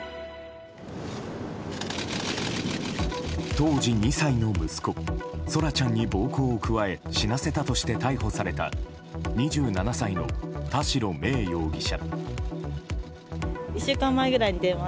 当時２歳の息子空来ちゃんに暴行を加え死なせたとして逮捕された２７歳の田代芽衣容疑者。